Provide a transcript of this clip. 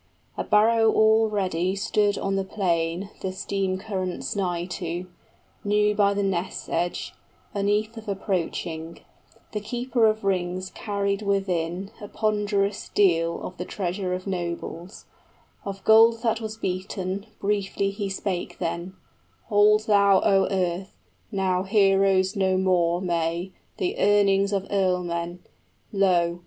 A barrow all ready Stood on the plain the stream currents nigh to, New by the ness edge, unnethe of approaching: The keeper of rings carried within a Ponderous deal of the treasure of nobles, 25 Of gold that was beaten, briefly he spake then: {The ring giver bewails the loss of retainers.} "Hold thou, O Earth, now heroes no more may, The earnings of earlmen. Lo!